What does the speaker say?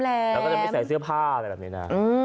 แล้วก็จะไม่ใส่เสื้อผ้าอะไรแบบนี้นะ